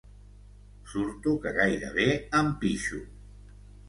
Surto que gairebé em pixo.